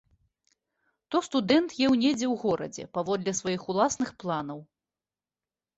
То студэнт еў недзе ў горадзе паводле сваіх уласных планаў.